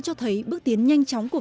cho thành phố sáng tạo